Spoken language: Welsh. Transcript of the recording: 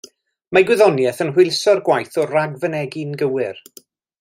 Mae gwyddoniaeth yn hwyluso'r gwaith o ragfynegi'n gywir.